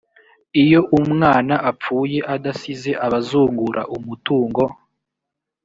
iyo umwana apfuye adasize abazungura umutungo